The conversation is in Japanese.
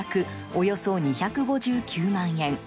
およそ２５９万円。